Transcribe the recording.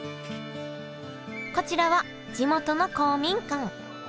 こちらは地元の公民館。